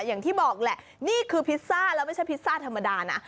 อย่างที่บอกแหละนี่คือพิซซ่าแล้วไม่ใช่พิซซ่าธรรมดานะ